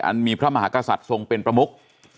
มีพระมหากษัตริย์ทรงเป็นประมุก